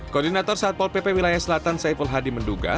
koordinator satpol pp wilayah selatan saiful hadi menduga